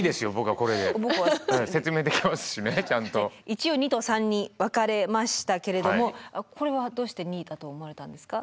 一応２と３に分かれましたけれどもこれはどうして２だと思われたんですか？